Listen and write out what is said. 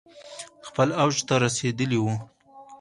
خپل اوج ته رسیدلي ؤ